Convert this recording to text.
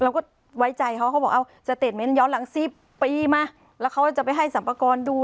เราก็ไว้ใจเขาเขาบอกเอาสเตจเมนต์ย้อนหลังสิบปีมาแล้วเขาจะไปให้สรรพากรดู